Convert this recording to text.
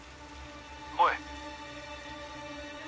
おい